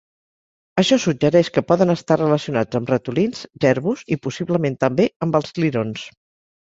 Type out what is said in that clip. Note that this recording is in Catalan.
Això suggereix que poden estar relacionats amb ratolins, jerbus, i possiblement també amb els lirons.